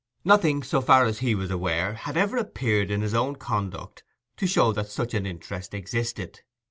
Nothing, so far as he was aware, had ever appeared in his own conduct to show that such an interest existed.